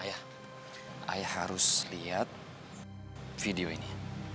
ayah ayah harus lihat video ini